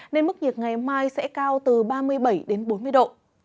nên mức nhiệt ngày mai sẽ cao từ ba mươi bảy đến bốn mươi độ